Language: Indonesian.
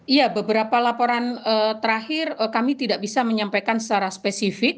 iya beberapa laporan terakhir kami tidak bisa menyampaikan secara spesifik